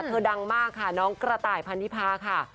ดังมากค่ะน้องกระต่ายพันธิพาค่ะ